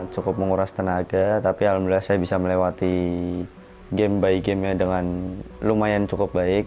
cukup menguras tenaga tapi alhamdulillah saya bisa melewati game by gamenya dengan lumayan cukup baik